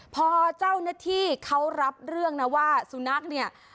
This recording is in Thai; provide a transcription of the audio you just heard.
พอเจ้าหน้าที่เขารับเรื่องนะว่าสุนัขเนี่ย